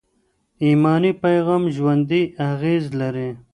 ایماني پیغام ژوندي اغېز لري.